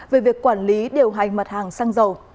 về việc quản lý điều hành mặt hàng xăng dầu